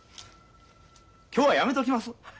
今日はやめときます。